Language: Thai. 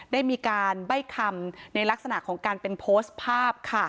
ได้มีการใบ้คำในลักษณะของการเป็นโพสต์ภาพค่ะ